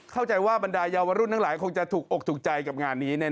เข้าใจว่าบรรดาเยาวรุ่นทั้งหลายคงจะถูกอกถูกใจกับงานนี้